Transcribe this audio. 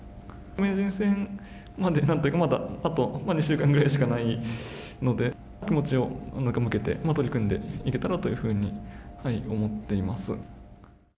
名人戦まで、あと２週間ぐらいしかないので、気持ちを向けて、取り組んでいけたらというふうに思っています。